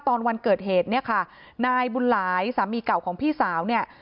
ตอนวันเกิดเหตุเนี่ยค่ะนายบุญหลายสามีเก่าของพี่สาวเนี่ย